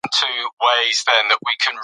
خیر محمد په ډېرې عاجزۍ سره خپلې پیسې وشمېرلې.